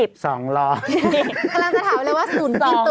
กำลังจะถามเลยว่า๐๒๐